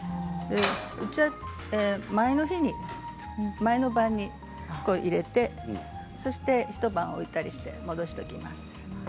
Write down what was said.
うちは前の晩に入れて一晩置いたりして戻しておきます。